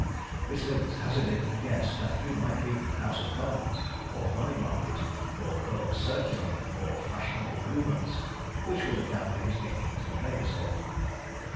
Miss Linx hazarded a guess that he might be House of Commons, or Money Market, or Court Circular, or Fashionable Movements; which would account for his getting into the paper so often.